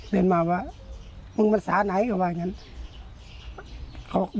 เดินมาว่ามึงมันสาห์ไหนก็ว่าอย่างนั้น